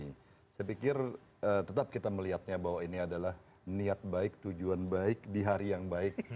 hai sepikir tetap kita melihatnya bahwa ini adalah niat baik tujuan baik di hari yang baik